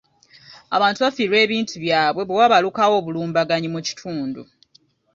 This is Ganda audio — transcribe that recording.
Abantu bafiirwa ebintu byabwe bwe wabalukawo obulumbaganyi mu kitundu.